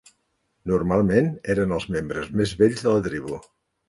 Normalment eren els membres més vells de la tribu.